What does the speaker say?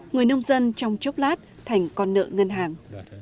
người nông dân trong chốc lát thành con nợ ngân hàng